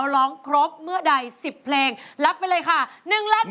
ร้องได้ให้ร้าง